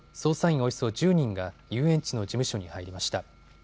およそ１０人が遊園地の事務所に入りました。